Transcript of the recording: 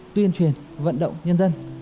tuyên truyền vận động nhân dân